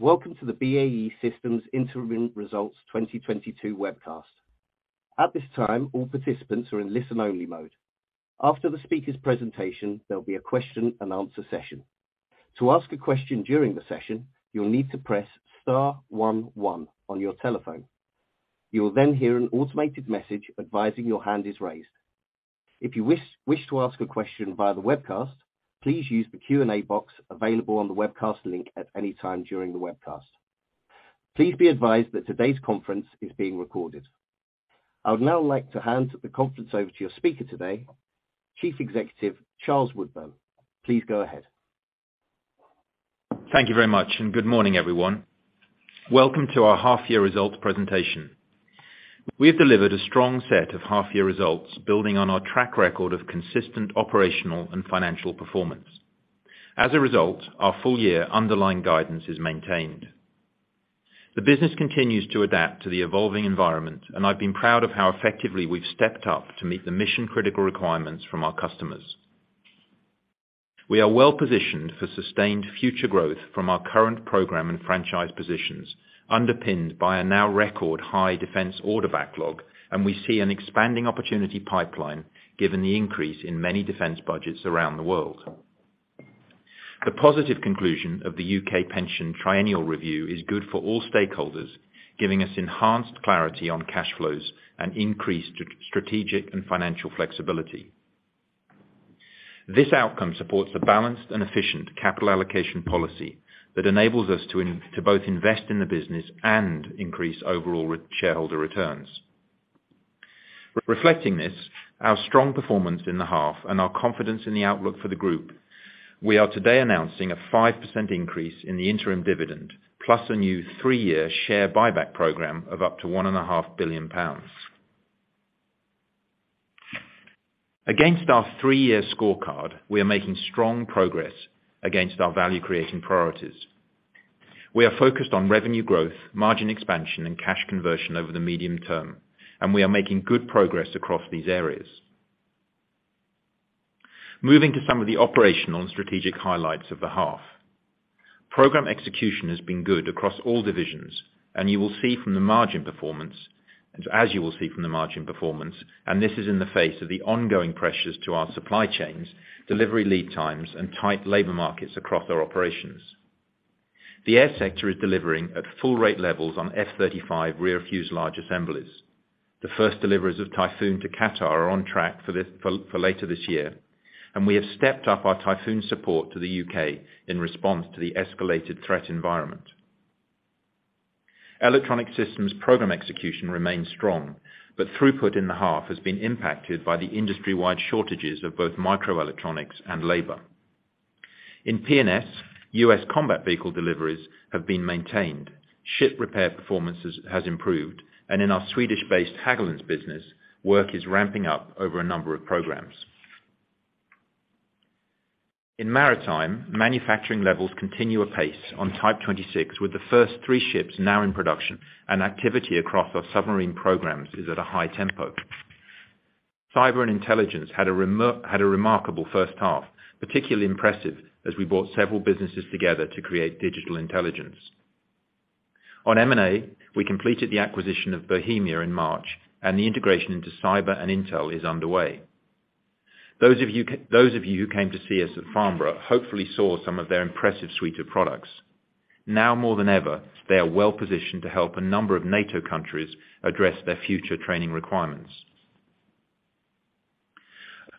Welcome to the BAE Systems Interim Results 2022 webcast. At this time, all participants are in listen-only mode. After the speaker's presentation, there'll be a question and answer session. To ask a question during the session, you'll need to press star one one on your telephone. You will then hear an automated message advising your hand is raised. If you wish to ask a question via the webcast, please use the Q&A box available on the webcast link at any time during the webcast. Please be advised that today's conference is being recorded. I would now like to hand the conference over to your speaker today, Chief Executive Charles Woodburn. Please go ahead. Thank you very much, and good morning, everyone. Welcome to our half year results presentation. We have delivered a strong set of half year results building on our track record of consistent operational and financial performance. As a result, our full year underlying guidance is maintained. The business continues to adapt to the evolving environment, and I've been proud of how effectively we've stepped up to meet the mission-critical requirements from our customers. We are well-positioned for sustained future growth from our current program and franchise positions, underpinned by a now record high defense order backlog, and we see an expanding opportunity pipeline given the increase in many defense budgets around the world. The positive conclusion of the U.K. Pension triennial review is good for all stakeholders, giving us enhanced clarity on cash flows and increased strategic and financial flexibility. This outcome supports the balanced and efficient capital allocation policy that enables us to to both invest in the business and increase overall shareholder returns. Reflecting this, our strong performance in the half and our confidence in the outlook for the group, we are today announcing a 5% increase in the interim dividend, plus a new three-year share buyback program of up to 1.5 billion pounds. Against our three-year scorecard, we are making strong progress against our value-creating priorities. We are focused on revenue growth, margin expansion, and cash conversion over the medium term, and we are making good progress across these areas. Moving to some of the operational and strategic highlights of the half. Program execution has been good across all divisions, and you will see from the margin performance. As you will see from the margin performance, and this is in the face of the ongoing pressures to our supply chains, delivery lead times and tight labor markets across our operations. The Air sector is delivering at full rate levels on F-35 rear fuselage assemblies. The first deliveries of Typhoon to Qatar are on track for later this year, and we have stepped up our Typhoon support to the U.K. in response to the escalated threat environment. Electronic Systems program execution remains strong, but throughput in the half has been impacted by the industry-wide shortages of both microelectronics and labor. In P&S, U.S. combat vehicle deliveries have been maintained. Ship repair performance has improved, and in our Swedish-based Hägglunds business, work is ramping up over a number of programs. In maritime, manufacturing levels continue apace on Type 26, with the first three ships now in production and activity across our submarine programs is at a high tempo. Cyber & Intelligence had a remarkable first half, particularly impressive as we brought several businesses together to create Digital Intelligence. On M&A, we completed the acquisition of Bohemia in March, and the integration into Cyber & Intelligence is underway. Those of you who came to see us at Farnborough hopefully saw some of their impressive suite of products. Now more than ever, they are well-positioned to help a number of NATO countries address their future training requirements.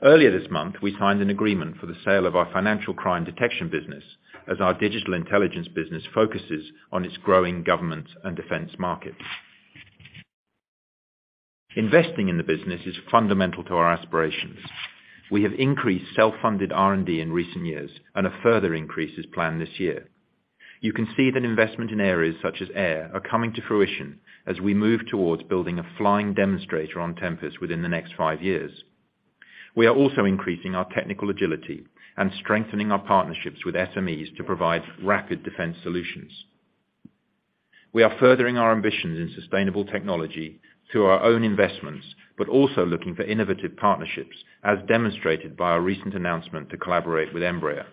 Earlier this month, we signed an agreement for the sale of our financial crime detection business as our Digital Intelligence business focuses on its growing government and defense markets. Investing in the business is fundamental to our aspirations. We have increased self-funded R&D in recent years and a further increase is planned this year. You can see that investment in areas such as air are coming to fruition as we move towards building a flying demonstrator on Tempest within the next five years. We are also increasing our technical agility and strengthening our partnerships with SMEs to provide rapid defense solutions. We are furthering our ambitions in sustainable technology through our own investments, but also looking for innovative partnerships, as demonstrated by our recent announcement to collaborate with Embraer.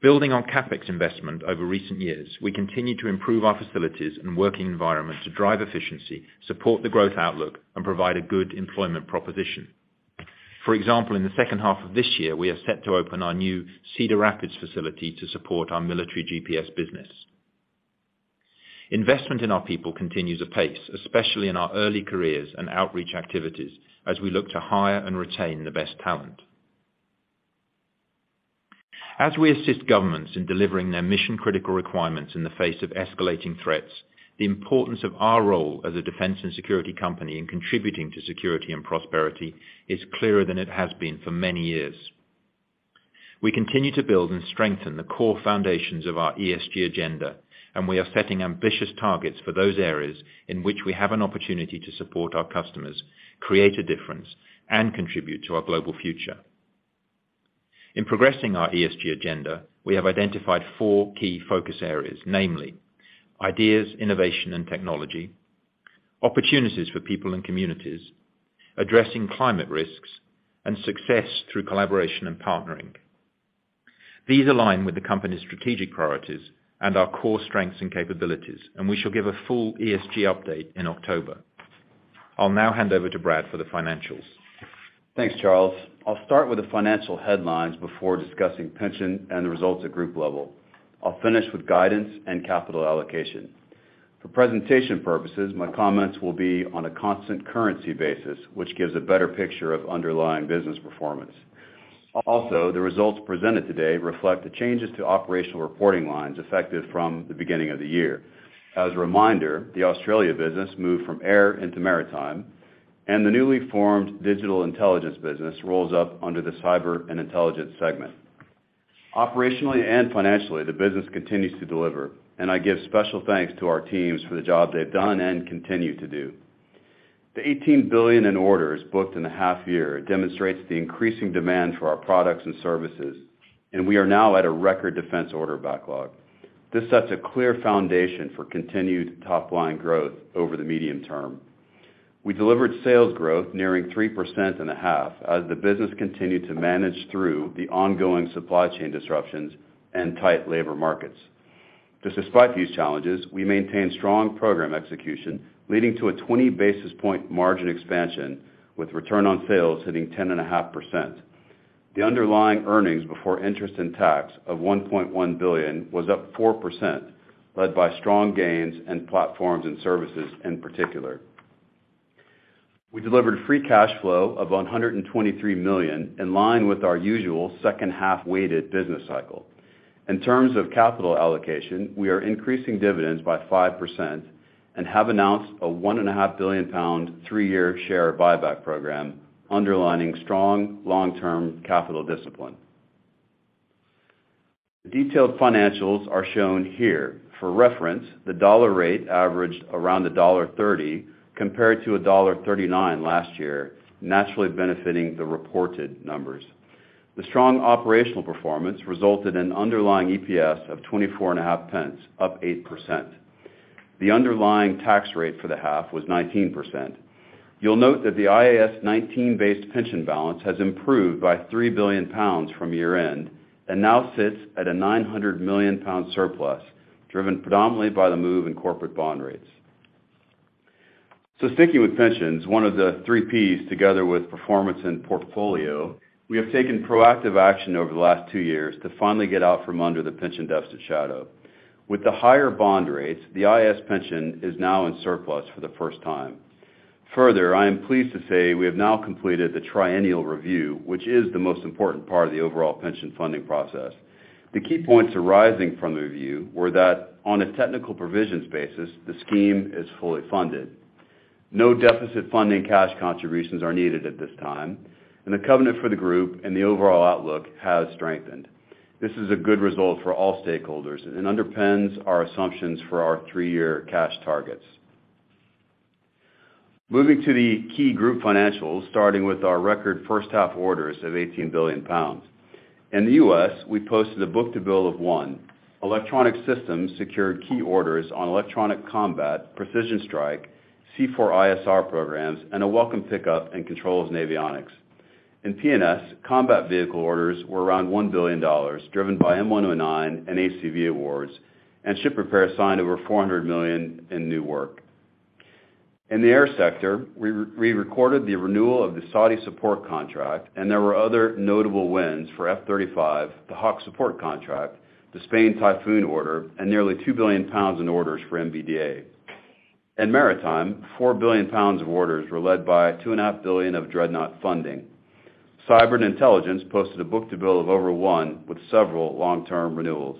Building on CapEx investment over recent years, we continue to improve our facilities and working environment to drive efficiency, support the growth outlook, and provide a good employment proposition. For example, in the second half of this year, we are set to open our new Cedar Rapids facility to support our military GPS business. Investment in our people continues apace, especially in our early careers and outreach activities as we look to hire and retain the best talent. As we assist governments in delivering their mission-critical requirements in the face of escalating threats, the importance of our role as a defense and security company in contributing to security and prosperity is clearer than it has been for many years. We continue to build and strengthen the core foundations of our ESG agenda, and we are setting ambitious targets for those areas in which we have an opportunity to support our customers, create a difference, and contribute to our global future. In progressing our ESG agenda, we have identified four key focus areas, namely ideas, innovation and technology, Opportunities for people and communities, addressing climate risks, and success through collaboration and partnering. These align with the company's strategic priorities and our core strengths and capabilities, and we shall give a full ESG update in October. I'll now hand over to Brad for the financials. Thanks, Charles. I'll start with the financial headlines before discussing pension and the results at group level. I'll finish with guidance and capital allocation. For presentation purposes, my comments will be on a constant currency basis, which gives a better picture of underlying business performance. Also, the results presented today reflect the changes to operational reporting lines effective from the beginning of the year. As a reminder, the Australia business moved from air into maritime, and the newly formed Digital Intelligence business rolls up under the Cyber & Intelligence segment. Operationally and financially, the business continues to deliver, and I give special thanks to our teams for the job they've done and continue to do. The 18 billion in orders booked in a half year demonstrates the increasing demand for our products and services, and we are now at a record defense order backlog. This sets a clear foundation for continued top-line growth over the medium term. We delivered sales growth nearing 3% in the half as the business continued to manage through the ongoing supply chain disruptions and tight labor markets. Yet despite these challenges, we maintained strong program execution, leading to a 20 basis points margin expansion, with return on sales hitting 10.5%. The underlying earnings before interest and tax of 1.1 billion was up 4%, led by strong gains in Platforms and Services in particular. We delivered free cash flow of 123 million, in line with our usual second-half-weighted business cycle. In terms of capital allocation, we are increasing dividends by 5% and have announced a 1.5 billion pound, three-year share buyback program underlining strong long-term capital discipline. The detailed financials are shown here. For reference, the dollar rate averaged around $1.30 compared to $1.39 last year, naturally benefiting the reported numbers. The strong operational performance resulted in underlying EPS of 24.5 pence, up 8%. The underlying tax rate for the half was 19%. You'll note that the IAS 19-based pension balance has improved by 3 billion pounds from year-end and now sits at a 900 million pound surplus, driven predominantly by the move in corporate bond rates. Sticking with pensions, one of the three Ps, together with performance and portfolio, we have taken proactive action over the last two years to finally get out from under the pension deficit shadow. With the higher bond rates, the IAS 19 pension is now in surplus for the first time. Further, I am pleased to say we have now completed the triennial review, which is the most important part of the overall pension funding process. The key points arising from the review were that on a technical provisions basis, the scheme is fully funded. No deficit funding cash contributions are needed at this time, and the covenant for the group and the overall outlook has strengthened. This is a good result for all stakeholders and underpins our assumptions for our three-year cash targets. Moving to the key group financials, starting with our record first half orders of 18 billion pounds. In the U.S., we posted a book-to-bill of 1. Electronic Systems secured key orders on electronic combat, precision strike, C4ISR programs, and a welcome pickup in Controls and Avionics. In P&S, combat vehicle orders were around $1 billion, driven by M109 and ACV awards, and ship repair signed over $400 million in new work. In the air sector, we recorded the renewal of the Saudi support contract, and there were other notable wins for F-35, the Hawk support contract, the Spain Typhoon order, and nearly 2 billion pounds in orders for MBDA. In maritime, 4 billion pounds of orders were led by 2.5 billion of Dreadnought funding. Cyber & Intelligence posted a book-to-bill of over 1 with several long-term renewals.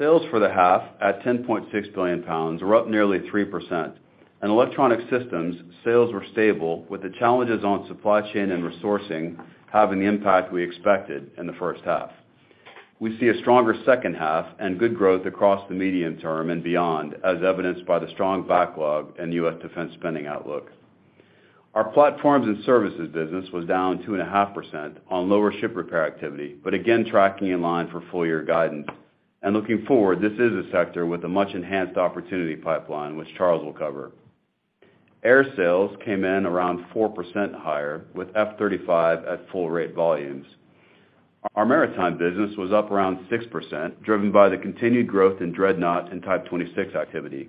Sales for the half at 10.6 billion pounds were up nearly 3%. In electronic systems, sales were stable, with the challenges on supply chain and resourcing having the impact we expected in the first half. We see a stronger second half and good growth across the medium term and beyond, as evidenced by the strong backlog in U.S. defense spending outlook. Our Platforms & Services business was down 2.5% on lower ship repair activity, but again, tracking in line for full-year guidance. Looking forward, this is a sector with a much-enhanced opportunity pipeline, which Charles will cover. Air sales came in around 4% higher, with F-35 at full rate volumes. Our Maritime business was up around 6%, driven by the continued growth in Dreadnought and Type 26 activity.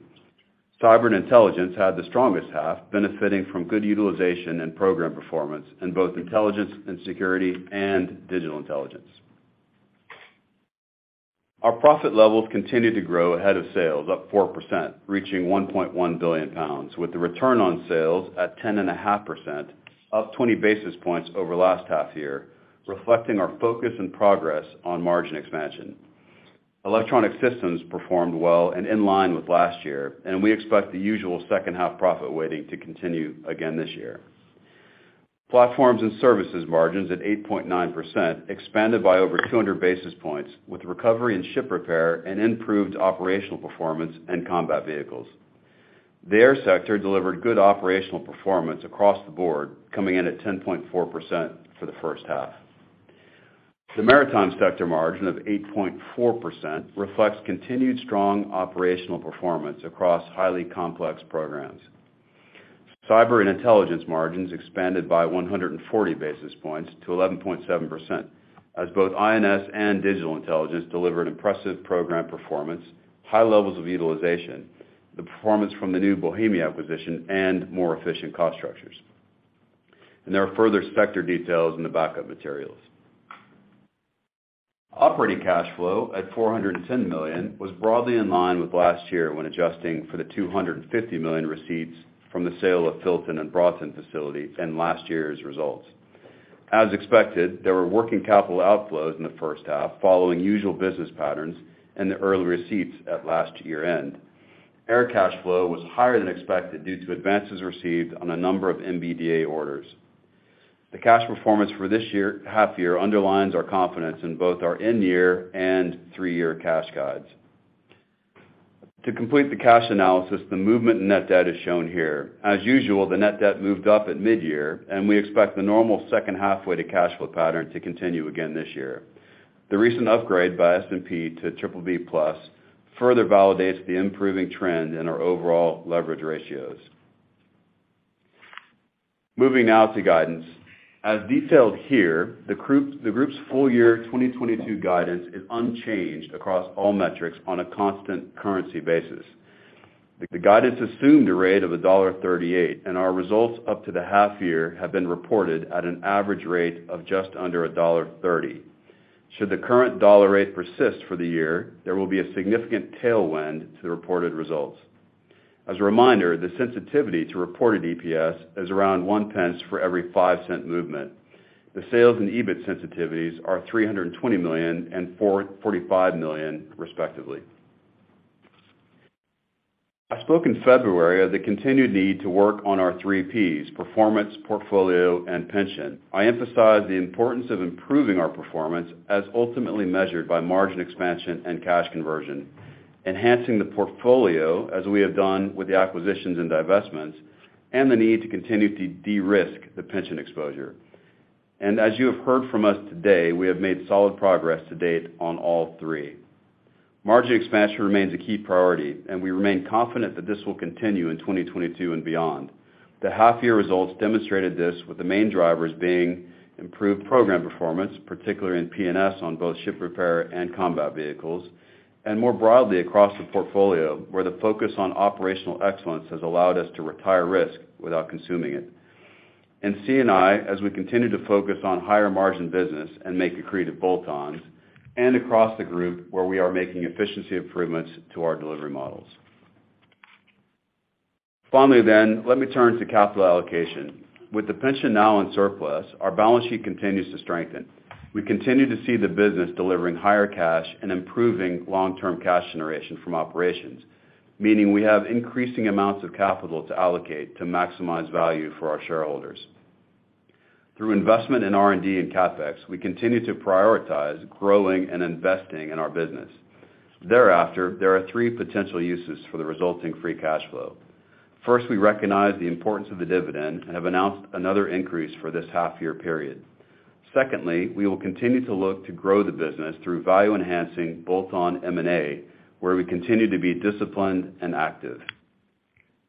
Cyber & Intelligence had the strongest half, benefiting from good utilization and program performance in both Intelligence & Security and Digital Intelligence. Our profit levels continued to grow ahead of sales, up 4%, reaching 1.1 billion pounds, with the return on sales at 10.5%, up 20 basis points over last half year, reflecting our focus and progress on margin expansion. Electronic Systems performed well and in line with last year, and we expect the usual second half profit weighting to continue again this year. Platforms & Services margins at 8.9% expanded by over 200 basis points with recovery in ship repair and improved operational performance and combat vehicles. The Air sector delivered good operational performance across the board, coming in at 10.4% for the first half. The Maritime sector margin of 8.4% reflects continued strong operational performance across highly complex programs. Cyber & Intelligence margins expanded by 140 basis points to 11.7%, as both I&S and Digital Intelligence delivered impressive program performance, high levels of utilization, the performance from the new Bohemia acquisition, and more efficient cost structures. There are further sector details in the backup materials. Operating cash flow at 410 million was broadly in line with last year when adjusting for the 250 million receipts from the sale of Filton and Broughton facility in last year's results. As expected, there were working capital outflows in the first half following usual business patterns and the early receipts at last year-end. Air cash flow was higher than expected due to advances received on a number of MBDA orders. The cash performance for this year half year underlines our confidence in both our end year and three-year cash guides. To complete the cash analysis, the movement in net debt is shown here. As usual, the net debt moved up at mid-year, and we expect the normal second half way to cash flow pattern to continue again this year. The recent upgrade by S&P to BBB+ further validates the improving trend in our overall leverage ratios. Moving now to guidance. As detailed here, the group's Full Year 2022 guidance is unchanged across all metrics on a constant currency basis. The guidance assumed a rate of $1.38, and our results up to the half year have been reported at an average rate of just under $1.30. Should the current dollar rate persist for the year, there will be a significant tailwind to the reported results. As a reminder, the sensitivity to reported EPS is around one pence for every five cent movement. The sales and EBIT sensitivities are 320 million and 45 million, respectively. I spoke in February of the continued need to work on our three Ps, performance, portfolio, and pension. I emphasized the importance of improving our performance as ultimately measured by margin expansion and cash conversion, enhancing the portfolio as we have done with the acquisitions and divestments, and the need to continue to de-risk the pension exposure. As you have heard from us today, we have made solid progress to date on all three. Margin expansion remains a key priority, and we remain confident that this will continue in 2022 and beyond. The half year results demonstrated this with the main drivers being improved program performance, particularly in P&S on both ship repair and combat vehicles, and more broadly across the portfolio, where the focus on operational excellence has allowed us to retire risk without consuming it. In C&I, as we continue to focus on higher margin business and make accretive bolt-ons, and across the group where we are making efficiency improvements to our delivery models. Finally then, let me turn to capital allocation. With the pension now in surplus, our balance sheet continues to strengthen. We continue to see the business delivering higher cash and improving long-term cash generation from operations, meaning we have increasing amounts of capital to allocate to maximize value for our shareholders. Through investment in R&D and CapEx, we continue to prioritize growing and investing in our business. Thereafter, there are three potential uses for the resulting free cash flow. First, we recognize the importance of the dividend and have announced another increase for this half year period. Secondly, we will continue to look to grow the business through value-enhancing bolt-on M&A, where we continue to be disciplined and active.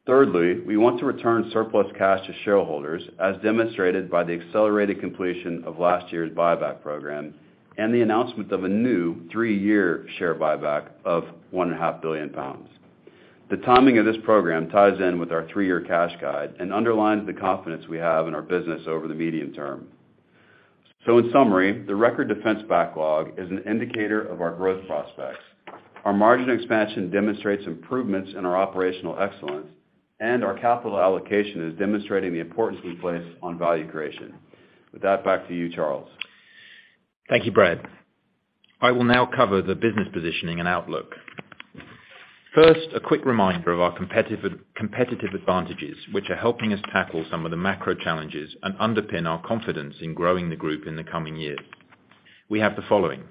Thirdly, we want to return surplus cash to shareholders, as demonstrated by the accelerated completion of last year's buyback program and the announcement of a new three-year share buyback of 1.5 billion pounds. The timing of this program ties in with our three-year cash guide and underlines the confidence we have in our business over the medium term. In summary, the record defense backlog is an indicator of our growth prospects. Our margin expansion demonstrates improvements in our operational excellence, and our capital allocation is demonstrating the importance we place on value creation. With that, back to you, Charles. Thank you, Brad. I will now cover the business positioning and outlook. First, a quick reminder of our competitive advantages, which are helping us tackle some of the macro challenges and underpin our confidence in growing the group in the coming years. We have the following.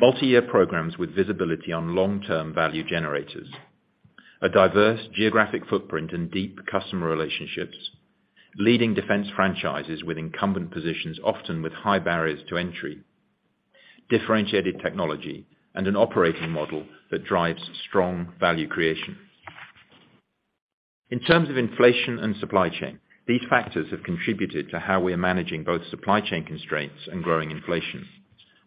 Multi-year programs with visibility on long-term value generators. A diverse geographic footprint and deep customer relationships. Leading defense franchises with incumbent positions, often with high barriers to entry. Differentiated technology and an operating model that drives strong value creation. In terms of inflation and supply chain, these factors have contributed to how we are managing both supply chain constraints and growing inflation.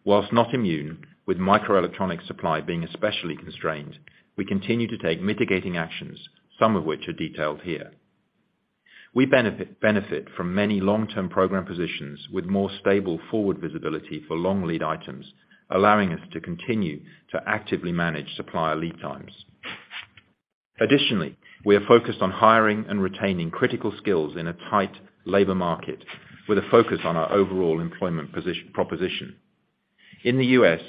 While not immune with microelectronic supply being especially constrained, we continue to take mitigating actions, some of which are detailed here. We benefit from many long-term program positions with more stable forward visibility for long lead items, allowing us to continue to actively manage supplier lead times. Additionally, we are focused on hiring and retaining critical skills in a tight labor market with a focus on our overall employment proposition. In the U.S.,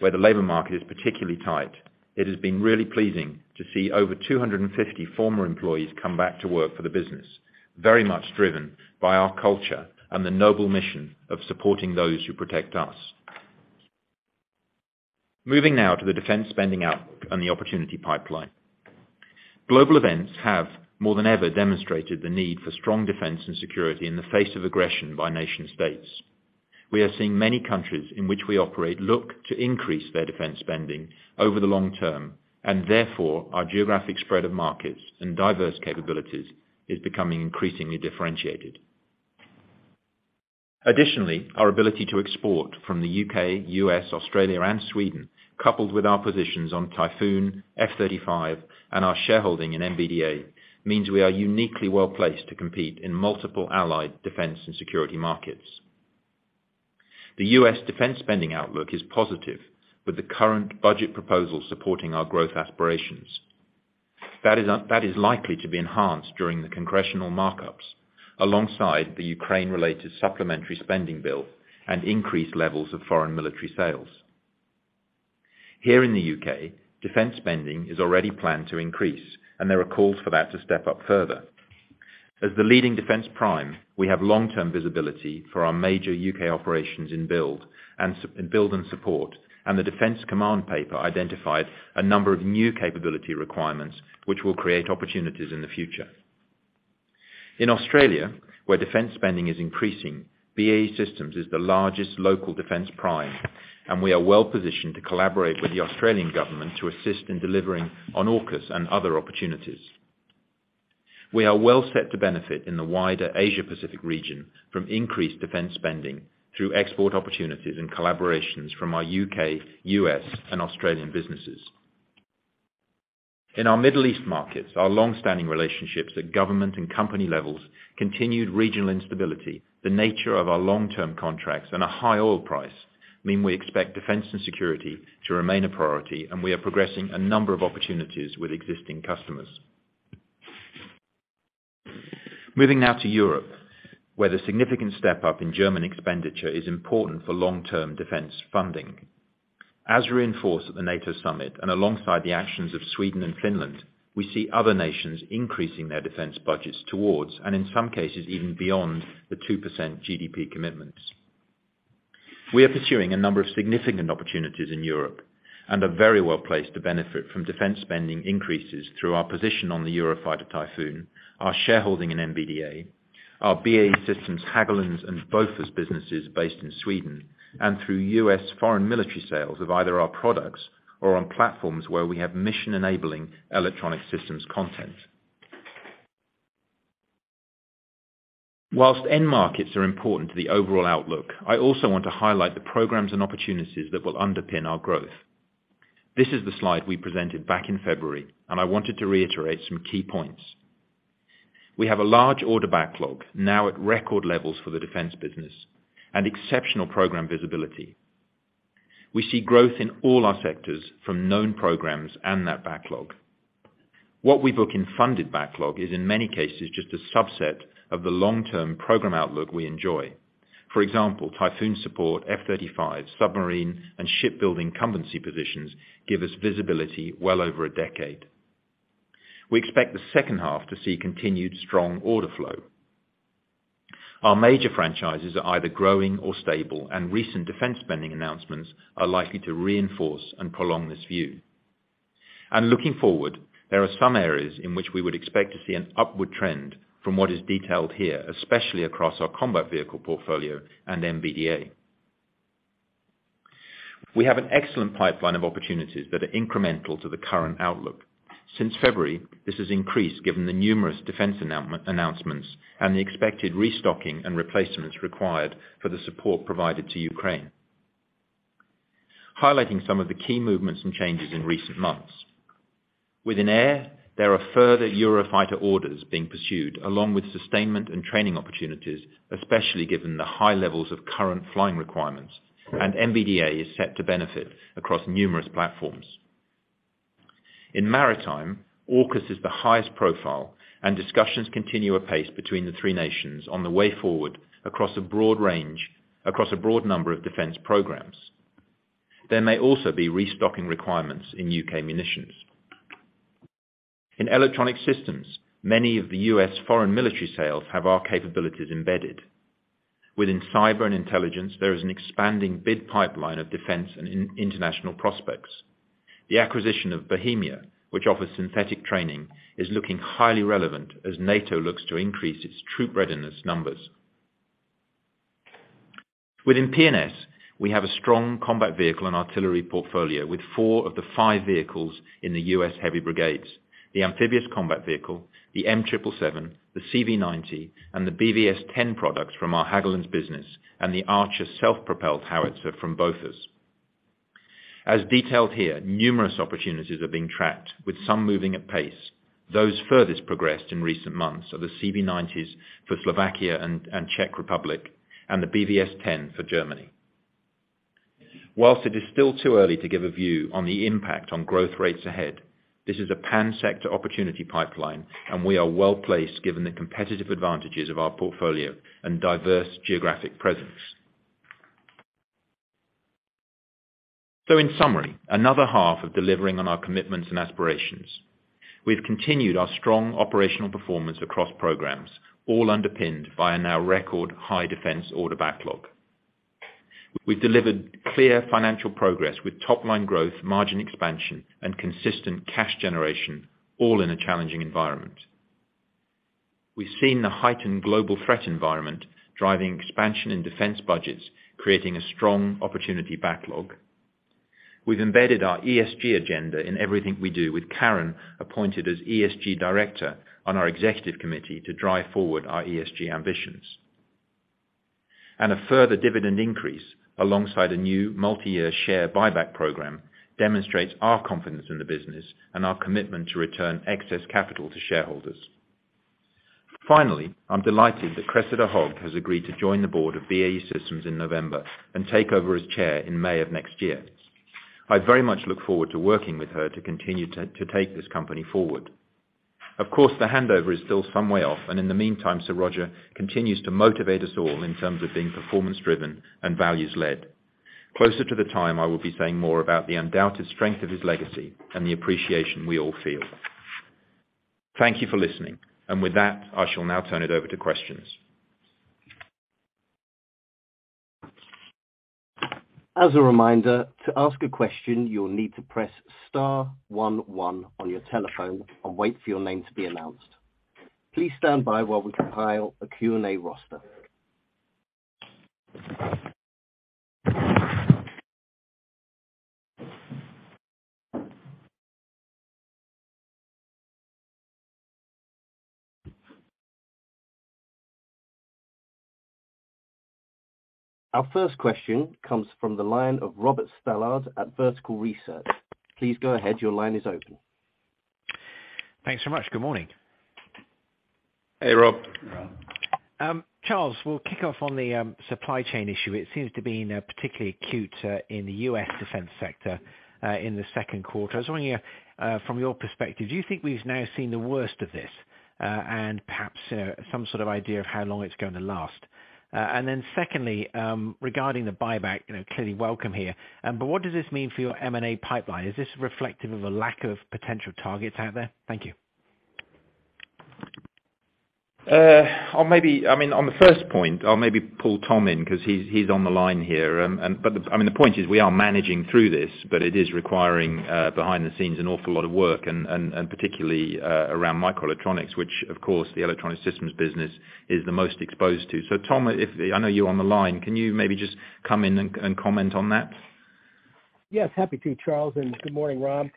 where the labor market is particularly tight, it has been really pleasing to see over 250 former employees come back to work for the business, very much driven by our culture and the noble mission of supporting those who protect us. Moving now to the defense spending outlook and the opportunity pipeline. Global events have, more than ever, demonstrated the need for strong defense and security in the face of aggression by nation states. We are seeing many countries in which we operate look to increase their defense spending over the long term, and therefore, our geographic spread of markets and diverse capabilities is becoming increasingly differentiated. Additionally, our ability to export from the U.K., U.S., Australia and Sweden, coupled with our positions on Typhoon, F-35 and our shareholding in MBDA, means we are uniquely well-placed to compete in multiple allied defense and security markets. The U.S. defense spending outlook is positive, with the current budget proposal supporting our growth aspirations. That is likely to be enhanced during the congressional markups alongside the Ukraine-related supplementary spending bill and increased levels of foreign military sales. Here in the U.K., defense spending is already planned to increase, and there are calls for that to step up further. As the leading defense prime, we have long-term visibility for our major U.K. operations in build, and sustain build and support, and the defense command paper identified a number of new capability requirements which will create opportunities in the future. In Australia, where defense spending is increasing, BAE Systems is the largest local defense prime, and we are well-positioned to collaborate with the Australian government to assist in delivering on AUKUS and other opportunities. We are well set to benefit in the wider Asia-Pacific region from increased defense spending through export opportunities and collaborations from our U.K., U.S. and Australian businesses. In our Middle East markets, our long-standing relationships at government and company levels, continued regional instability, the nature of our long-term contracts and a high oil price mean we expect defense and security to remain a priority, and we are progressing a number of opportunities with existing customers. Moving now to Europe, where the significant step up in German expenditure is important for long-term defense funding. As reinforced at the NATO summit and alongside the actions of Sweden and Finland, we see other nations increasing their defense budgets towards, and in some cases, even beyond the 2% GDP commitments. We are pursuing a number of significant opportunities in Europe and are very well-placed to benefit from defense spending increases through our position on the Eurofighter Typhoon, our shareholding in MBDA, our BAE Systems, Hägglunds and Bofors businesses based in Sweden, and through U.S. foreign military sales of either our products or on platforms where we have mission-enabling electronic systems content. Whilst end markets are important to the overall outlook, I also want to highlight the programs and opportunities that will underpin our growth. This is the slide we presented back in February, and I wanted to reiterate some key points. We have a large order backlog now at record levels for the defense business and exceptional program visibility. We see growth in all our sectors from known programs and that backlog. What we book in funded backlog is in many cases just a subset of the long-term program outlook we enjoy. For example, Typhoon support, F-35, submarine and shipbuilding incumbency positions give us visibility well over a decade. We expect the second half to see continued strong order flow. Our major franchises are either growing or stable, and recent defense spending announcements are likely to reinforce and prolong this view. Looking forward, there are some areas in which we would expect to see an upward trend from what is detailed here, especially across our combat vehicle portfolio and MBDA. We have an excellent pipeline of opportunities that are incremental to the current outlook. Since February, this has increased given the numerous defense announcements and the expected restocking and replacements required for the support provided to Ukraine. Highlighting some of the key movements and changes in recent months. Within Air, there are further Eurofighter orders being pursued along with sustainment and training opportunities, especially given the high levels of current flying requirements, and MBDA is set to benefit across numerous platforms. In Maritime, AUKUS is the highest profile, and discussions continue apace between the three nations on the way forward across a broad number of defense programs. There may also be restocking requirements in U.K. munitions. In Electronic Systems, many of the U.S. foreign military sales have our capabilities embedded. Within Cyber and Intelligence, there is an expanding bid pipeline of defense and international prospects. The acquisition of Bohemia, which offers synthetic training, is looking highly relevant as NATO looks to increase its troop readiness numbers. Within P&S, we have a strong combat vehicle and artillery portfolio with four of the five vehicles in the U.S. heavy brigades. The Amphibious Combat Vehicle, the M777, the CV90 and the BvS10 products from our Hägglunds business and the Archer self-propelled howitzer from Bofors. As detailed here, numerous opportunities are being tracked with some moving at pace. Those furthest progressed in recent months are the CV90s for Slovakia and Czech Republic and the BvS10 for Germany. While it is still too early to give a view on the impact on growth rates ahead, this is a pan-sector opportunity pipeline, and we are well-placed given the competitive advantages of our portfolio and diverse geographic presence. In summary, another half of delivering on our commitments and aspirations. We've continued our strong operational performance across programs, all underpinned by a now record high defense order backlog. We've delivered clear financial progress with top-line growth, margin expansion, and consistent cash generation, all in a challenging environment. We've seen the heightened global threat environment driving expansion in defense budgets, creating a strong opportunity backlog. We've embedded our ESG agenda in everything we do with Karin appointed as ESG director on our executive committee to drive forward our ESG ambitions. A further dividend increase alongside a new multi-year share buyback program demonstrates our confidence in the business and our commitment to return excess capital to shareholders. Finally, I'm delighted that Cressida Hogg has agreed to join the board of BAE Systems in November and take over as chair in May of next year. I very much look forward to working with her to continue to take this company forward. Of course, the handover is still some way off, and in the meantime, Sir Roger continues to motivate us all in terms of being performance-driven and values-led. Closer to the time, I will be saying more about the undoubted strength of his legacy and the appreciation we all feel. Thank you for listening. With that, I shall now turn it over to questions. As a reminder, to ask a question, you'll need to press star one one on your telephone and wait for your name to be announced. Please stand by while we compile a Q&A roster. Our first question comes from the line of Robert Stallard at Vertical Research. Please go ahead. Your line is open. Thanks so much. Good morning. Hey, Rob. Rob. Charles, we'll kick off on the supply chain issue. It seems to be, you know, particularly acute in the U.S. defense sector in the second quarter. I was wondering from your perspective, do you think we've now seen the worst of this and perhaps some sort of idea of how long it's gonna last? Then secondly, regarding the buyback, you know, clearly welcome here, but what does this mean for your M&A pipeline? Is this reflective of a lack of potential targets out there? Thank you. Maybe, I mean, on the first point, I'll maybe pull Tom in 'cause he's on the line here. But, I mean, the point is we are managing through this, but it is requiring behind the scenes an awful lot of work and particularly around microelectronics, which of course the Electronic Systems business is the most exposed to. Tom, I know you're on the line, can you maybe just come in and comment on that? Yes, happy to, Charles, and good morning, Rob.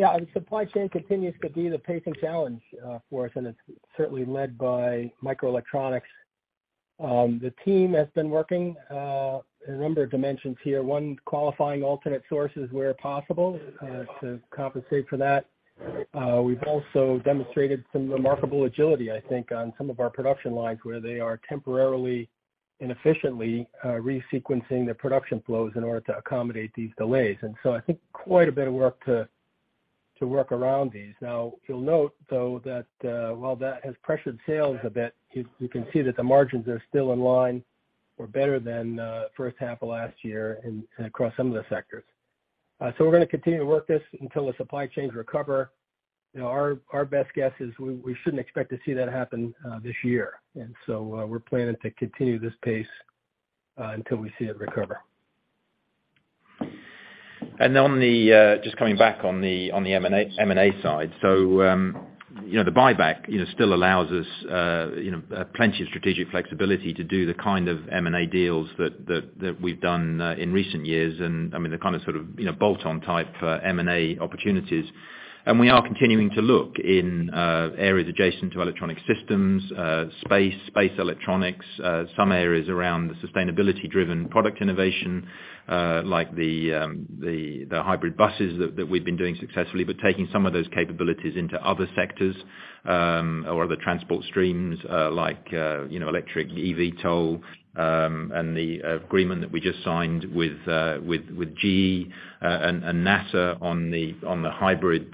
Yeah, the supply chain continues to be the pacing challenge for us, and it's certainly led by microelectronics. The team has been working a number of dimensions here. One, qualifying alternate sources where possible to compensate for that. We've also demonstrated some remarkable agility, I think, on some of our production lines where they are temporarily and efficiently resequencing their production flows in order to accommodate these delays. I think quite a bit of work to work around these. Now, you'll note, though, that while that has pressured sales a bit, you can see that the margins are still in line or better than first half of last year and across some of the sectors. We're gonna continue to work this until the supply chains recover. You know, our best guess is we shouldn't expect to see that happen this year. We're planning to continue this pace until we see it recover. Just coming back on the M&A side. You know, the buyback, you know, still allows us, you know, plenty of strategic flexibility to do the kind of M&A deals that we've done in recent years, and I mean, the kind of sort of, you know, bolt-on type M&A opportunities. We are continuing to look in areas adjacent to Electronic Systems, space electronics, some areas around the sustainability-driven product innovation, like the hybrid buses that we've been doing successfully, but taking some of those capabilities into other sectors, or other transport streams, like, you know, eVTOL, and the agreement that we just signed with GE and NASA on the hybrid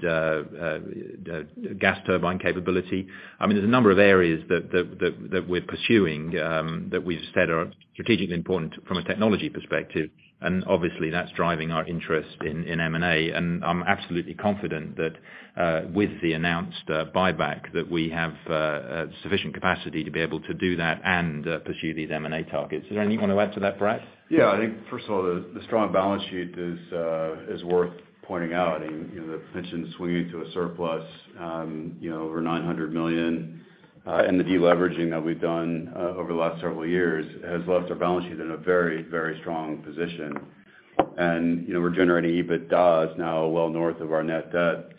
gas turbine capability. I mean, there's a number of areas that we're pursuing, that we've said are strategically important from a technology perspective, and obviously that's driving our interest in M&A. I'm absolutely confident that, with the announced buyback, that we have sufficient capacity to be able to do that and pursue these M&A targets. Is there anything you want to add to that, Brad? Yeah. I think first of all, the strong balance sheet is worth pointing out. I mean, you know, the pension swinging to a surplus, you know, over 900 million, and the deleveraging that we've done over the last several years has left our balance sheet in a very strong position. You know, we're generating EBITDA is now well north of our net debt.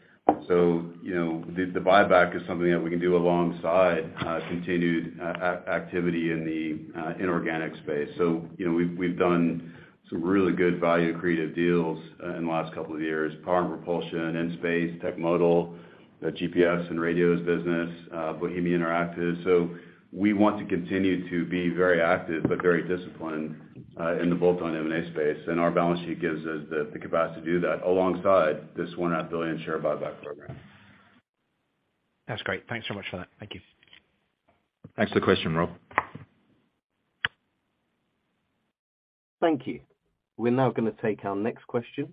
You know, the buyback is something that we can do alongside continued activity in the inorganic space. You know, we've done some really good value creative deals in the last couple of years, power and propulsion, and space, Techmodal, the GPS and radios business, Bohemia Interactive. We want to continue to be very active but very disciplined in the bolt-on M&A space. Our balance sheet gives us the capacity to do that alongside this 1 billion share buyback program. That's great. Thanks so much for that. Thank you. Thanks for the question, Rob. Thank you. We're now gonna take our next question.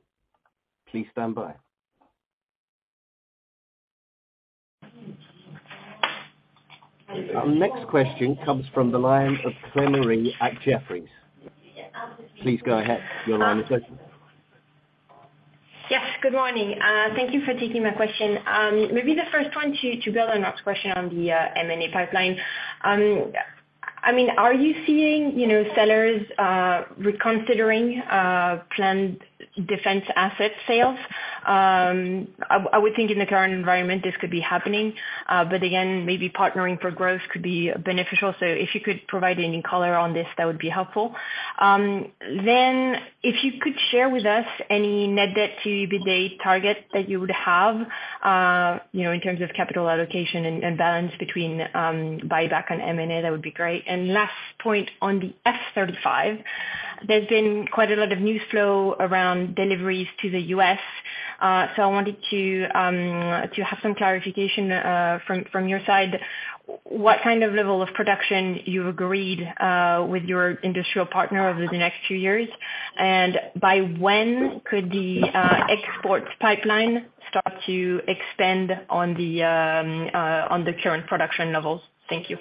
Please stand by. Our next question comes from the line of Chloe Lemarie at Jefferies. Please go ahead, your line is open. Yes, good morning. Thank you for taking my question. Maybe the first one to build on last question on the M&A pipeline. I mean, are you seeing, you know, sellers reconsidering planned defense asset sales? I would think in the current environment this could be happening. Again, maybe partnering for growth could be beneficial. If you could provide any color on this, that would be helpful. If you could share with us any net debt to EBITDA target that you would have, you know, in terms of capital allocation and balance between buyback and M&A, that would be great. Last point on the F-35, there's been quite a lot of news flow around deliveries to the U.S., so I wanted to have some clarification from your side, what kind of level of production you've agreed with your industrial partner over the next few years, and by when could the exports pipeline start to extend on the current production levels? Thank you.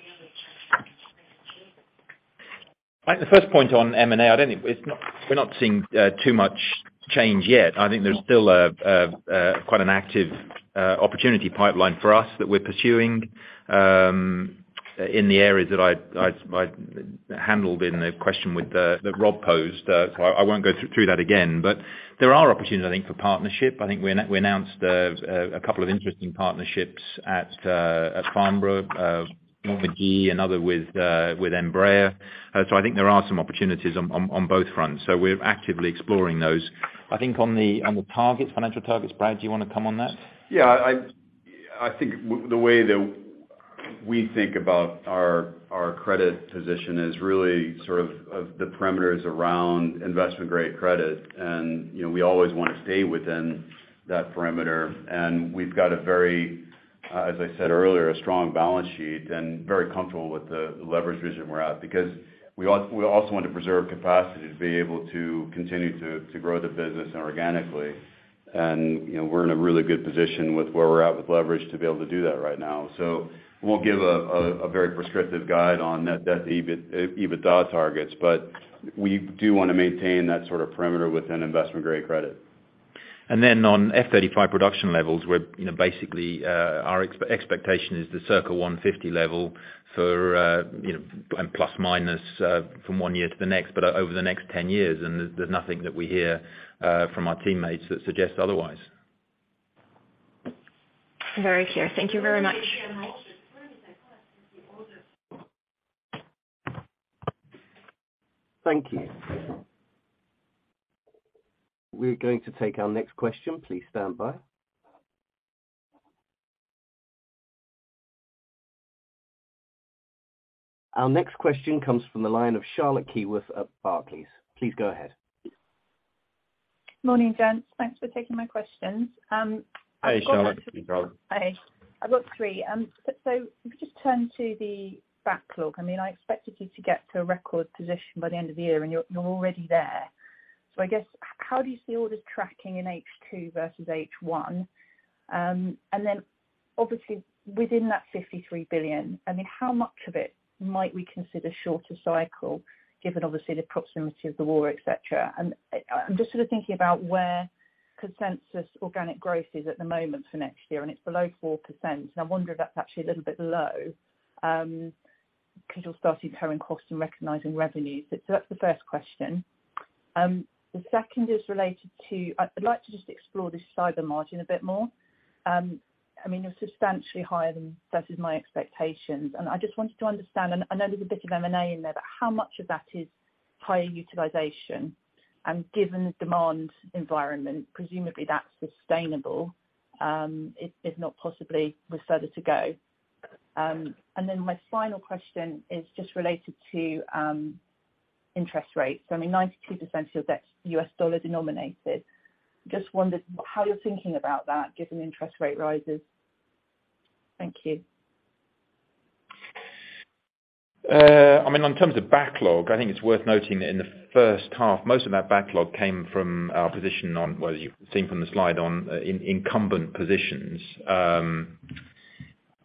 The first point on M&A, we're not seeing too much change yet. I think there's still a quite an active opportunity pipeline for us that we're pursuing in the areas that I handled in the question that Rob posed. I won't go through that again. There are opportunities, I think, for partnership. I think we announced a couple of interesting partnerships at Farnborough, one with GE, another with Embraer. I think there are some opportunities on both fronts. We're actively exploring those. I think on the targets, financial targets, Brad, do you wanna come on that? Yeah, I think the way that we think about our credit position is really sort of the parameters around investment-grade credit. You know, we always wanna stay within that parameter. We've got a very, as I said earlier, a strong balance sheet and very comfortable with the leverage position we're at because we also want to preserve capacity to be able to continue to grow the business organically. You know, we're in a really good position with where we're at with leverage to be able to do that right now. We'll give a very prescriptive guide on net debt to EBITDA targets, but we do wanna maintain that sort of parameter within investment-grade credit. Then on F-35 production levels, we're, you know, basically, our expectation is the circa 150 level for, you know, and plus or minus from one year to the next, but over the next 10 years. There's nothing that we hear from our teammates that suggests otherwise. Very clear. Thank you very much. Thank you. We're going to take our next question. Please stand by. Our next question comes from the line of Charlotte Keyworth of Barclays. Please go ahead. Morning, gents. Thanks for taking my questions. Hi, Charlotte. Hi, Charlotte. Hi. I've got three. So if you just turn to the backlog, I mean, I expected you to get to a record position by the end of the year, and you're already there. I guess how do you see orders tracking in H2 versus H1? And then obviously within that 53 billion, I mean, how much of it might we consider shorter cycle given obviously the proximity of the war, et cetera? I'm just sort of thinking about where consensus organic growth is at the moment for next year, and it's below 4%. I wonder if that's actually a little bit low because you're starting to incur costs and recognizing revenues. That's the first question. The second is related to. I'd like to just explore this cyber margin a bit more. I mean, you're substantially higher than is my expectations. I just wanted to understand, there's a bit of M&A in there, but how much of that is higher utilization? Given the demand environment, presumably that's sustainable, if not possibly with further to go. Then my final question is just related to interest rates. I mean, 92% of your debt's U.S. dollar denominated. Just wondered how you're thinking about that given interest rate rises. Thank you. I mean, in terms of backlog, I think it's worth noting that in the first half, most of that backlog came from our position on, well, you've seen from the slide on in incumbent positions.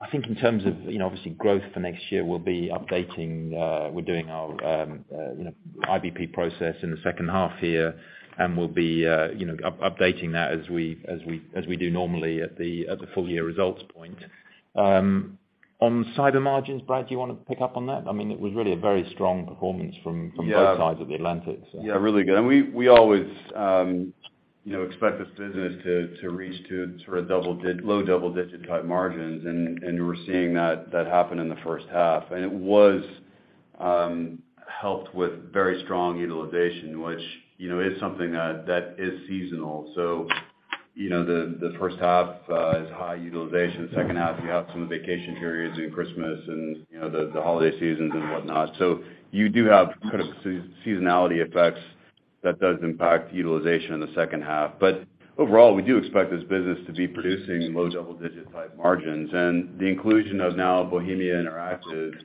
I think in terms of, you know, obviously growth for next year, we'll be updating. We're doing our, you know, IBP process in the second half here, and we'll be, you know, updating that as we do normally at the full year results point. On cyber margins, Brad, do you wanna pick up on that? I mean, it was really a very strong performance from Yeah. from both sides of the Atlantic, so. Yeah, really good. We always expect this business to reach to sort of low double-digit type margins and we're seeing that happen in the first half. It was helped with very strong utilization, which you know is something that is seasonal. You know the first half is high utilization. Second half, you have some of the vacation periods and Christmas and you know the holiday seasons and whatnot. You do have kind of seasonality effects. That does impact utilization in the second half. Overall, we do expect this business to be producing low double-digit type margins. The inclusion of now Bohemia Interactive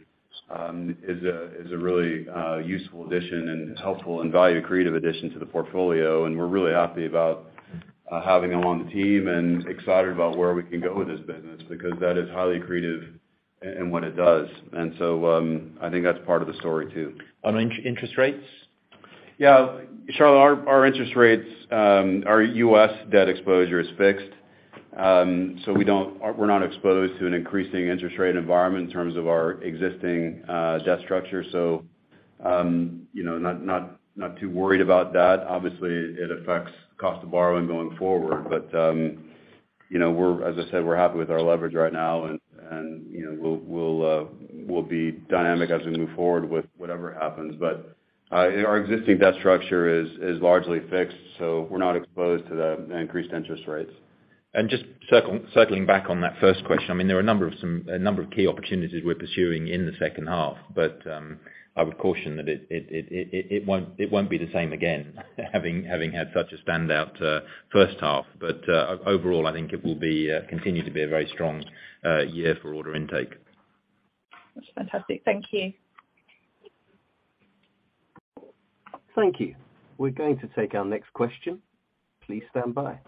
is a really useful addition and helpful and value creative addition to the portfolio. We're really happy about having them on the team and excited about where we can go with this business because that is highly creative in what it does. I think that's part of the story too. On interest rates? Yeah, Charlotte, our interest rates, our U.S. debt exposure is fixed. We're not exposed to an increasing interest rate environment in terms of our existing debt structure. You know, not too worried about that. Obviously, it affects cost of borrowing going forward. You know, as I said, we're happy with our leverage right now, and you know, we'll be dynamic as we move forward with whatever happens. Our existing debt structure is largely fixed, so we're not exposed to the increased interest rates. Just circling back on that first question. I mean, there are a number of key opportunities we're pursuing in the second half. I would caution that it won't be the same again, having had such a standout first half. Overall, I think it will continue to be a very strong year for order intake. That's fantastic. Thank you. Thank you. We're going to take our next question. Please stand by.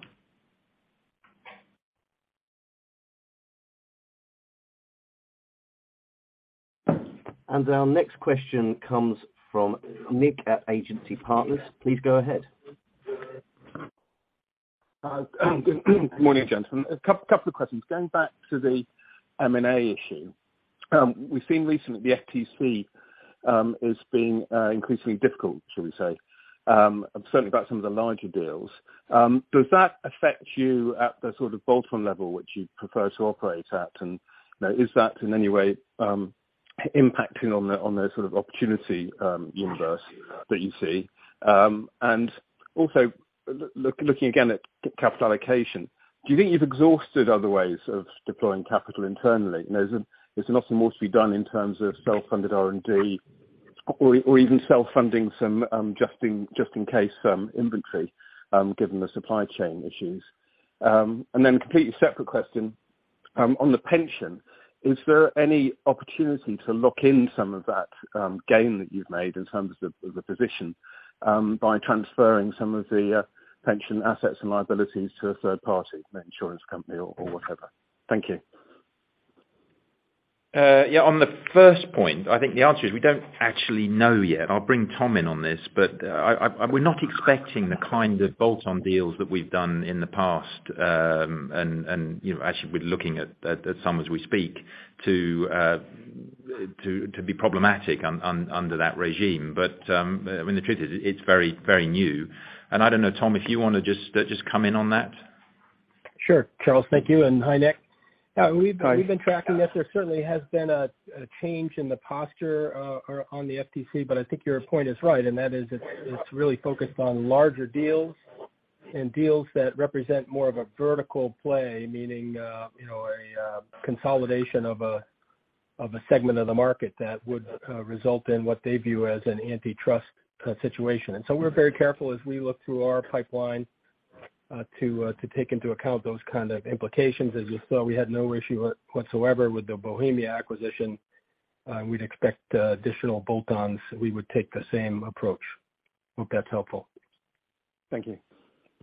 Our next question comes from Nick at Agency Partners. Please go ahead. Good morning, gentlemen. A couple of questions. Going back to the M&A issue, we've seen recently the FTC as being increasingly difficult, shall we say, certainly about some of the larger deals. Does that affect you at the sort of bolt-on level which you prefer to operate at? You know, is that in any way impacting on the sort of opportunity universe that you see? And also, looking again at capital allocation, do you think you've exhausted other ways of deploying capital internally? You know, is there lots more to be done in terms of self-funded R&D or even self-funding some just in case inventory given the supply chain issues? And then a completely separate question on the pension. Is there any opportunity to lock in some of that gain that you've made in terms of the position by transferring some of the pension assets and liabilities to a third party, an insurance company or whatever? Thank you. Yeah, on the first point, I think the answer is we don't actually know yet. I'll bring Tom in on this. We're not expecting the kind of bolt-on deals that we've done in the past, and you know, actually we're looking at some as we speak to be problematic under that regime. I mean, the truth is, it's very new. I don't know, Tom, if you wanna just come in on that. Sure, Charles. Thank you, and hi, Nick. Hi. Yeah, we've been tracking this. There certainly has been a change in the posture or on the FTC, but I think your point is right, and that is it's really focused on larger deals and deals that represent more of a vertical play, meaning, you know, a consolidation of a segment of the market that would result in what they view as an antitrust situation. We're very careful as we look through our pipeline to take into account those kind of implications. As you saw, we had no issue whatsoever with the Bohemia acquisition. We'd expect additional bolt-ons, we would take the same approach. Hope that's helpful. Thank you.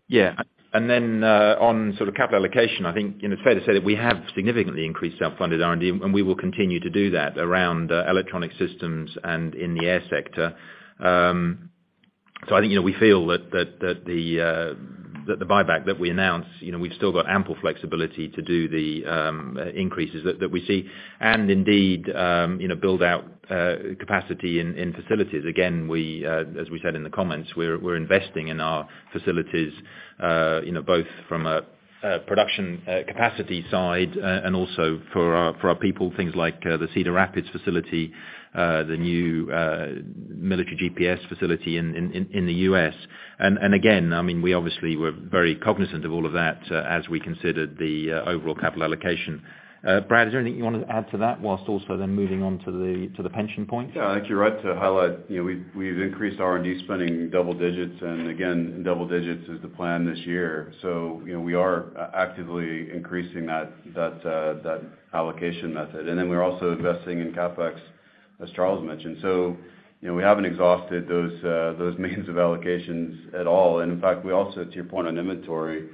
Yeah. On sort of capital allocation, I think, you know, fair to say that we have significantly increased our funded R&D, and we will continue to do that around Electronic Systems and in the Air sector. I think, you know, we feel that the buyback that we announced, you know, we've still got ample flexibility to do the increases that we see, and indeed, you know, build out capacity in facilities. Again, as we said in the comments, we're investing in our facilities, you know, both from a production capacity side, and also for our people, things like the Cedar Rapids facility, the new military GPS facility in the U.S. Again, I mean, we obviously were very cognizant of all of that, as we considered the overall capital allocation. Brad, is there anything you wanna add to that whilst also then moving on to the pension point? Yeah, I think you're right to highlight, you know, we've increased R&D spending double digits, and again, double digits is the plan this year. You know, we are actively increasing that allocation method. We're also investing in CapEx, as Charles mentioned. You know, we haven't exhausted those means of allocations at all. In fact, we also, to your point on inventory,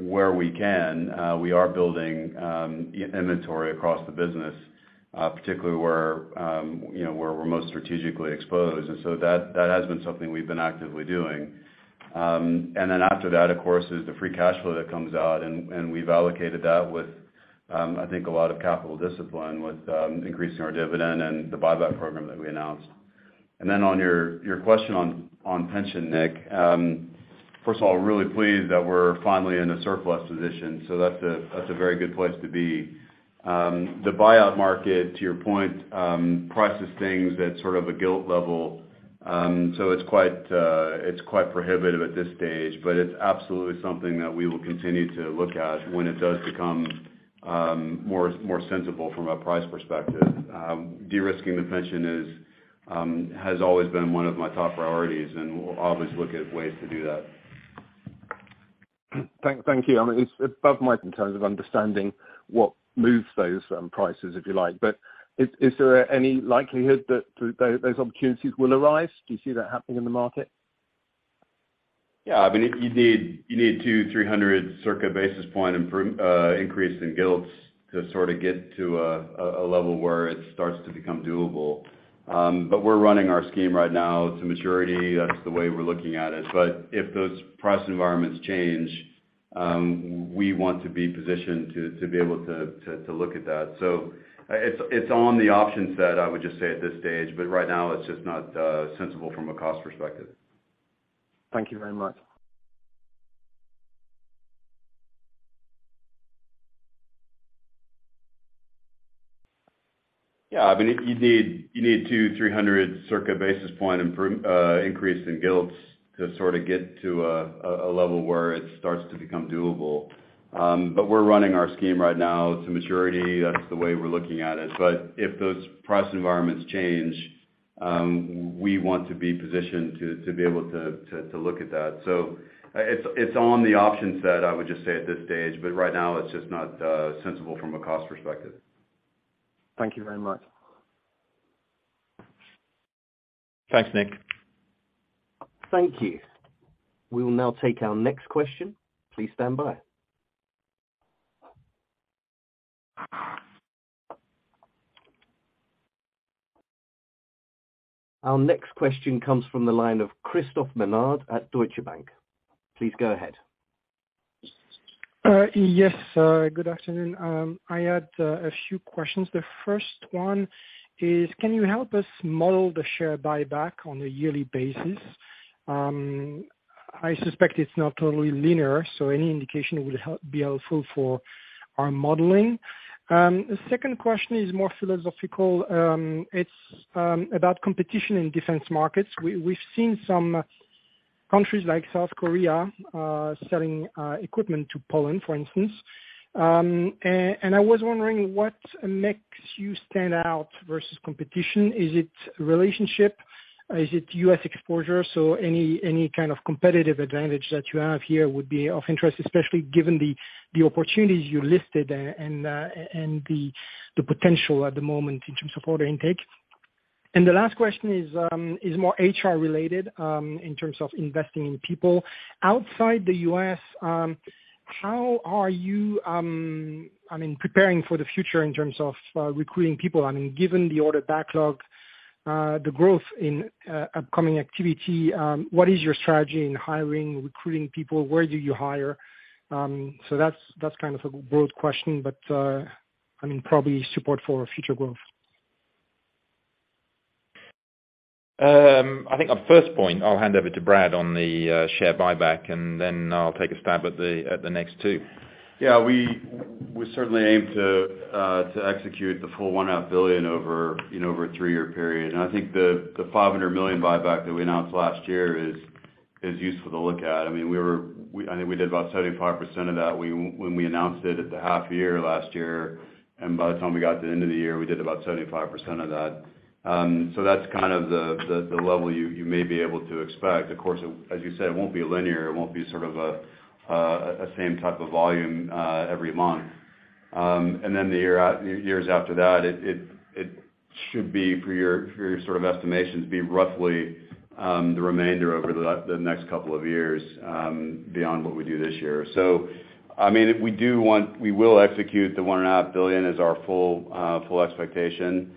where we can, we are building inventory across the business, particularly where, you know, where we're most strategically exposed. That has been something we've been actively doing. After that, of course, is the free cash flow that comes out, and we've allocated that with, I think a lot of capital discipline with increasing our dividend and the buyback program that we announced. On your question on pension, Nick. First of all, really pleased that we're finally in a surplus position. That's a very good place to be. The buyout market, to your point, prices things at sort of a gilt level, so it's quite prohibitive at this stage. It's absolutely something that we will continue to look at when it does become more sensible from a price perspective. De-risking the pension has always been one of my top priorities, and we'll always look at ways to do that. Thank you. I mean, it's above my pay grade in terms of understanding what moves those prices, if you like. Is there any likelihood that those opportunities will arise? Do you see that happening in the market? I mean, you need 200-300 circa basis points increase in gilts to sort of get to a level where it starts to become doable. We're running our scheme right now to maturity. That's the way we're looking at it. If those price environments change, we want to be positioned to be able to look at that. It's on the options that I would just say at this stage, but right now it's just not sensible from a cost perspective. Thank you very much. Yeah. I mean, you need 200-300 basis points increase in gilts to sort of get to a level where it starts to become doable. We're running our scheme right now to maturity. That's the way we're looking at it. If those price environments change, we want to be positioned to be able to look at that. It's on the options that I would just say at this stage, but right now it's just not sensible from a cost perspective. Thank you very much. Thanks, Nick. Thank you. We will now take our next question. Please stand by. Our next question comes from the line of Christophe Menard at Deutsche Bank. Please go ahead. Yes. Good afternoon. I had a few questions. The first one is, can you help us model the share buyback on a yearly basis? I suspect it's not totally linear, so any indication would be helpful for our modeling. The second question is more philosophical. It's about competition in defense markets. We've seen some countries like South Korea selling equipment to Poland, for instance, and I was wondering what makes you stand out versus competition. Is it relationship? Is it U.S. xposure? So any kind of competitive advantage that you have here would be of interest, especially given the opportunities you listed and the potential at the moment in terms of order intake. The last question is more HR related, in terms of investing in people. Outside the U.S., how are you, I mean, preparing for the future in terms of recruiting people? I mean, given the order backlog, the growth in upcoming activity, what is your strategy in hiring, recruiting people? Where do you hire? That's kind of a broad question, but I mean, probably support for future growth. I think on first point, I'll hand over to Brad on the share buyback, and then I'll take a stab at the next two. Yeah. We certainly aim to execute the full 1.5 billion over, you know, over a three-year period. I think the 500 million buyback that we announced last year is useful to look at. I mean, I think we did about 75% of that. When we announced it at the half year last year, and by the time we got to the end of the year, we did about 75% of that. That's kind of the level you may be able to expect. Of course, as you said, it won't be linear. It won't be sort of a same type of volume every month. Years after that, it should be for your sort of estimations, be roughly the remainder over the next couple of years beyond what we do this year. I mean, we will execute the 1.5 billion as our full expectation.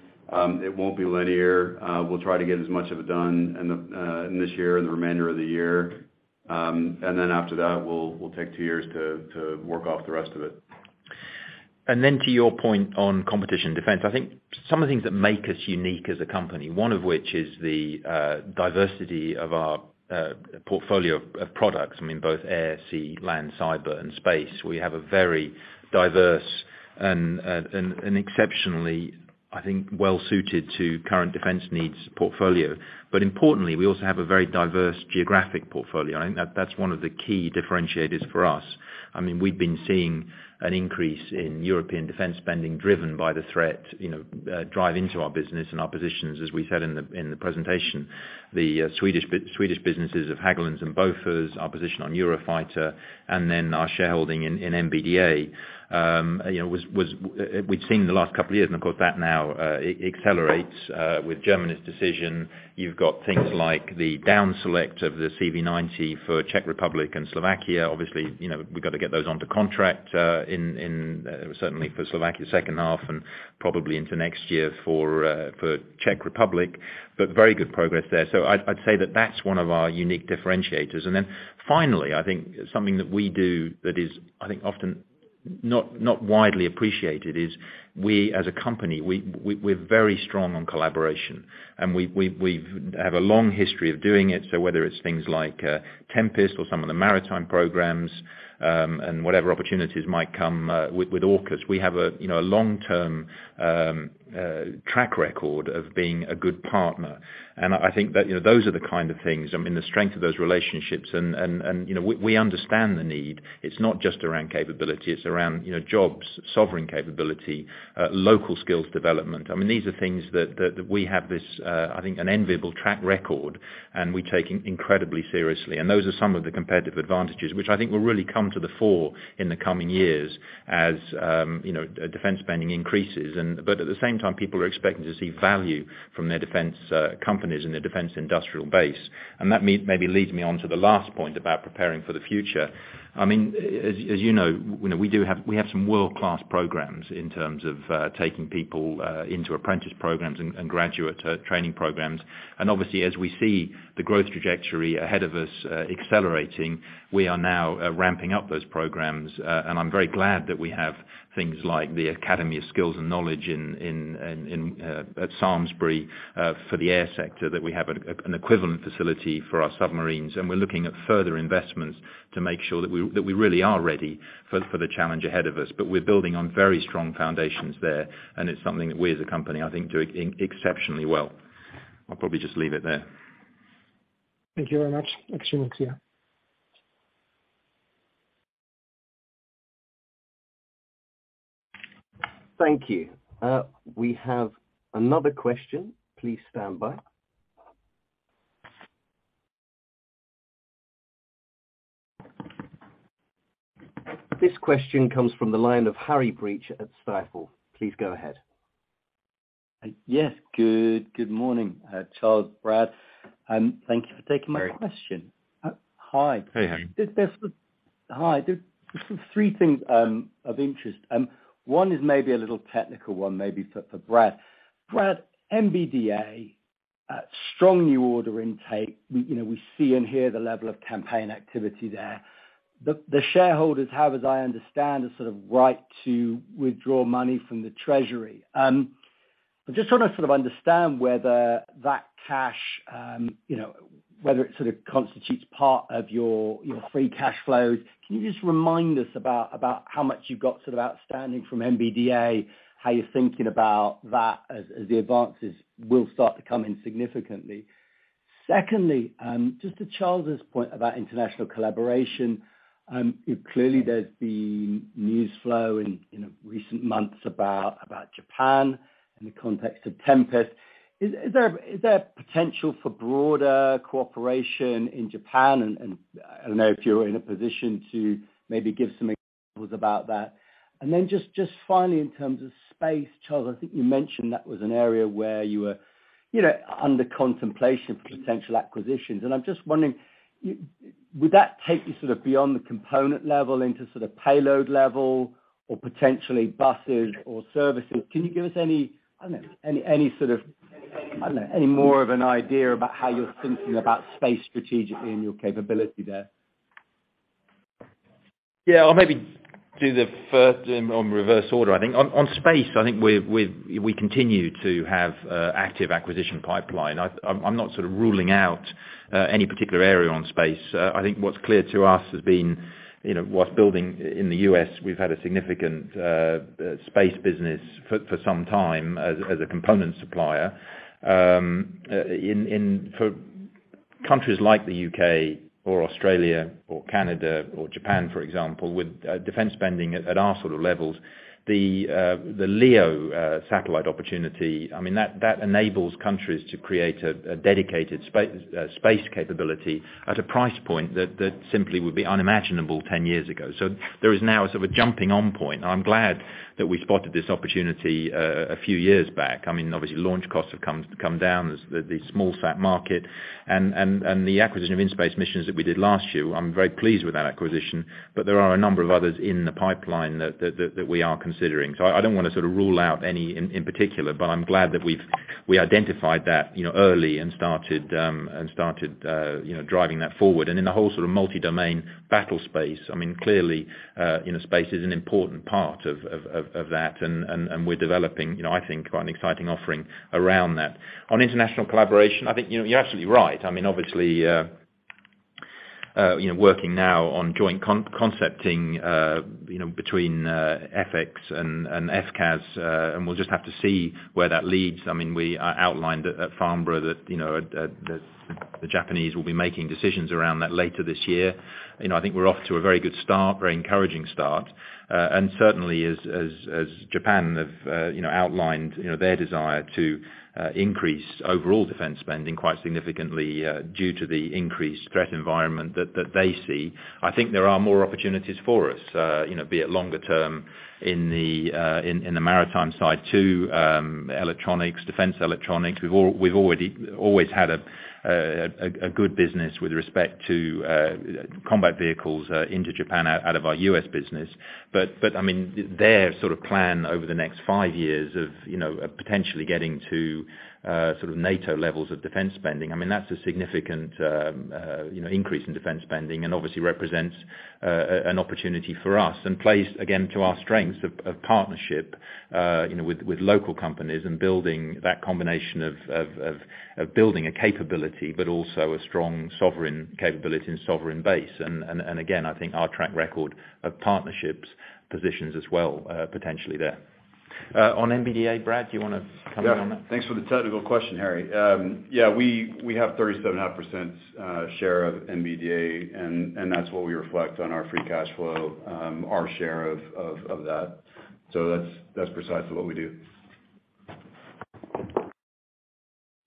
It won't be linear. We'll try to get as much of it done in this year and the remainder of the year. After that, we'll take two years to work off the rest of it. To your point on competitive defense, I think some of the things that make us unique as a company, one of which is the diversity of our portfolio of products. I mean, both air, sea, land, cyber, and space. We have a very diverse and exceptionally, I think, well-suited to current defense needs portfolio. Importantly, we also have a very diverse geographic portfolio, and that's one of the key differentiators for us. I mean, we've been seeing an increase in European defense spending driven by the threat, you know, driving into our business and our positions, as we said in the presentation. The Swedish businesses of Hägglunds and Bofors, our position on Eurofighter, and then our shareholding in MBDA. We'd seen the last couple of years, and of course, that now accelerates with Germany's decision. You've got things like the down select of the CV90 for Czech Republic and Slovakia. Obviously, you know, we've got to get those onto contract in certainly for Slovakia second half and probably into next year for Czech Republic. But very good progress there. I'd say that that's one of our unique differentiators. Then finally, I think something that we do that is, I think, often not widely appreciated is we as a company, we're very strong on collaboration and we've had a long history of doing it. Whether it's things like Tempest or some of the maritime programs, and whatever opportunities might come with AUKUS. We have a, you know, a long-term track record of being a good partner. I think that, you know, those are the kind of things, I mean, the strength of those relationships and, you know, we understand the need. It's not just around capability, it's around, you know, jobs, sovereign capability, local skills development. I mean, these are things that we have this, I think an enviable track record and we take incredibly seriously. Those are some of the competitive advantages, which I think will really come to the fore in the coming years as, you know, defense spending increases. At the same time, people are expecting to see value from their defense companies and their defense industrial base. That maybe leads me on to the last point about preparing for the future. I mean, as you know, you know, we have some world-class programs in terms of taking people into apprentice programs and graduate training programs. Obviously, as we see the growth trajectory ahead of us accelerating, we are now ramping up those programs. I'm very glad that we have things like the Academy of Skills and Knowledge in at Samlesbury for the air sector, that we have an equivalent facility for our submarines. We're looking at further investments to make sure that we really are ready for the challenge ahead of us. We're building on very strong foundations there, and it's something that we as a company, I think do exceptionally well. I'll probably just leave it there. Thank you very much. Thank you. We have another question. Please stand by. This question comes from the line of Harry Breach at Stifel. Please go ahead. Yes. Good morning, Charles, Brad. Thank you for taking my question. Harry. Hi. Hey, Harry. Hi. There's three things of interest. One is maybe a little technical, one may be for Brad. Brad, MBDA, strong new order intake. You know, we see and hear the level of campaign activity there. The shareholders have, as I understand, a sort of right to withdraw money from the treasury. I just wanna sort of understand whether that cash, you know, whether it sort of constitutes part of your free cash flows. Can you just remind us about how much you've got sort of outstanding from MBDA, how you're thinking about that as the advances will start to come in significantly? Secondly, just to Charles' point about international collaboration, clearly there's been news flow in, you know, recent months about Japan in the context of Tempest. Is there potential for broader cooperation in Japan? I don't know if you're in a position to maybe give some examples about that. Then just finally, in terms of space, Charles, I think you mentioned that was an area where you were, you know, under contemplation for potential acquisitions. I'm just wondering, would that take you sort of beyond the component level into sort of payload level or potentially buses or services? Can you give us any more of an idea about how you're thinking about space strategically and your capability there? Yeah. I'll maybe do the first in on reverse order. I think on space, I think we continue to have an active acquisition pipeline. I'm not sort of ruling out any particular area on space. I think what's clear to us has been, you know, whilst building in the U.S., we've had a significant space business for some time as a component supplier. In for countries like the U.K. or Australia or Canada or Japan, for example, with defense spending at our sort of levels, the LEO satellite opportunity, I mean, that enables countries to create a dedicated space capability at a price point that simply would be unimaginable 10 years ago. There is now a sort of a jumping on point. I'm glad that we spotted this opportunity a few years back. I mean, obviously launch costs have come down as the small sat market and the acquisition of In-Space Missions that we did last year. I'm very pleased with that acquisition, but there are a number of others in the pipeline that we are considering. I don't wanna sort of rule out any in particular, but I'm glad that we've identified that, you know, early and started, you know, driving that forward. In the whole sort of multi-domain battle space, I mean, clearly, you know, space is an important part of that and we're developing, you know, I think quite an exciting offering around that. On international collaboration, I think, you know, you're absolutely right. I mean, obviously, you know, working now on joint concepting, you know, between F-X and FCAS, and we'll just have to see where that leads. I mean, we outlined at Farnborough that, you know, the Japanese will be making decisions around that later this year. You know, I think we're off to a very good start, very encouraging start. Certainly as Japan have, you know, outlined, you know, their desire to increase overall defense spending quite significantly, due to the increased threat environment that they see. I think there are more opportunities for us, you know, be it longer term in the in the maritime side too, electronics, defense electronics. We've already always had a good business with respect to combat vehicles into Japan out of our U.S. business. I mean, their sort of plan over the next five years of, you know, potentially getting to sort of NATO levels of defense spending. I mean, that's a significant increase in defense spending and obviously represents an opportunity for us and plays again to our strengths of partnership, you know, with local companies and building that combination of building a capability, but also a strong sovereign capability and sovereign base. Again, I think our track record of partnerships positions us well potentially there. On MBDA, Brad, do you wanna comment on that? Yeah. Thanks for the technical question, Harry. Yeah, we have 37.5% share of MBDA and that's what we reflect on our free cash flow, our share of that. That's precisely what we do.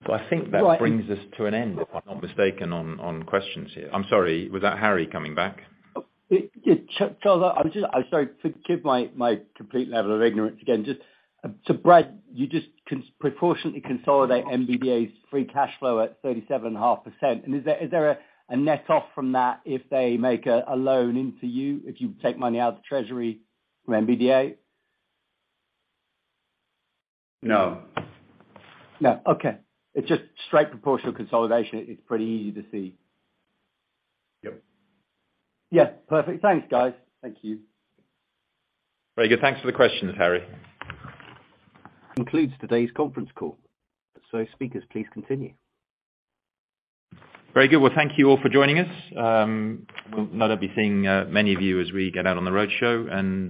Well, I think that brings us to an end, if I'm not mistaken, on questions here. I'm sorry, was that Harry coming back? Yeah. Charles, I'm sorry, forgive my complete level of ignorance again. Just to Brad, you just proportionately consolidate MBDA's free cash flow at 37.5%. Is there a net off from that if they make a loan into you, if you take money out of the treasury from MBDA? No. No. Okay. It's just straight proportional consolidation. It's pretty easy to see. Yep. Yeah. Perfect. Thanks, guys. Thank you. Very good. Thanks for the questions, Harry. Concludes today's conference call. Speakers, please continue. Very good. Well, thank you all for joining us. I know I'll be seeing many of you as we get out on the road show and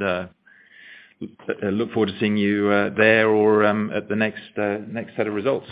look forward to seeing you there or at the next set of results.